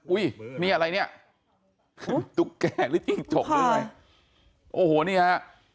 อุ้ยนี่อะไรเนี้ยตุ๊กแก่ละจริงจกเลยโอ้โหนี่ฮะ